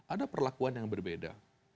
ada perlakuan yang berbeda